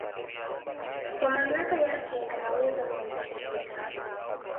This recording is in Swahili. kwa mamlaka yake anaweza kuanzisha vita